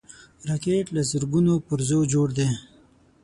راکټ له زرګونو پرزو جوړ دی